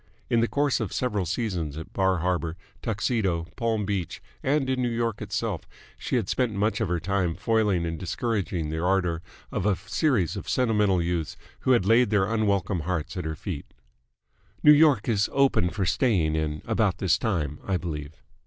In the course of several seasons at Bar Harbor, Tuxedo, Palm Beach, and in New York itself, she had spent much of her time foiling and discouraging the ardour of a series of sentimental youths who had laid their unwelcome hearts at her feet. "New York is open for staying in about this time, I believe."